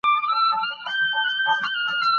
آزمیېلی دی دا اصل په نسلونو